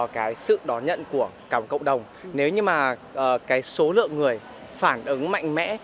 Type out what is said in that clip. cái số lượng người phản ứng mạnh mẽ